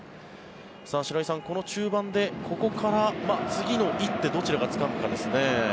白井さん、この中盤でここから次の一手どちらがつかむかですね。